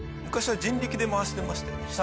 昔は人力で回してましたよね。